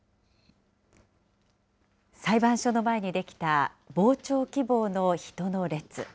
裁判所の前に出来た傍聴希望の人の列。